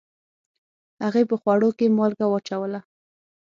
هغې په خوړو کې مالګه واچوله